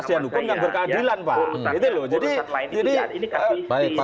institusi itu namanya berkeadilan itu adalah kepastian hukum yang berkeadilan pak